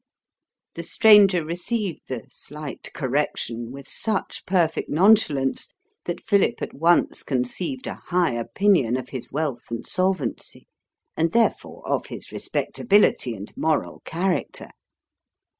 The stranger received the slight correction with such perfect nonchalance, that Philip at once conceived a high opinion of his wealth and solvency, and therefore of his respectability and moral character.